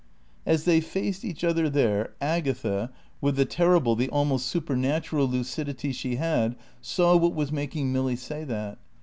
As they faced each other there, Agatha, with the terrible, the almost supernatural lucidity she had, saw what was making Milly say that.